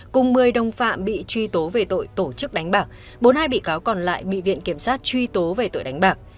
cùng một mươi đồng phạm bị truy tố về tội tổ chức đánh bạc bốn mươi hai bị cáo còn lại bị viện kiểm sát truy tố về tội đánh bạc